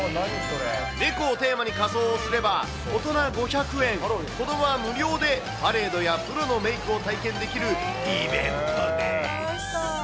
猫をテーマに仮装をすれば、大人５００円、子どもは無料でパレードやプロのメークを体験できるイベントです。